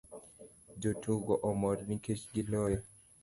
Jotugo omor nikech giloyo